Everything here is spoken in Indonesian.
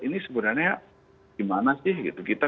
ini sebenarnya gimana sih gitu